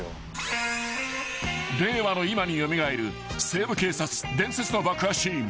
［令和の今に蘇る『西部警察』伝説の爆破シーン］